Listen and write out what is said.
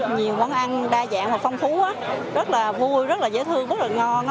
nhiều món ăn đa dạng và phong phú rất là vui rất là dễ thương rất là ngon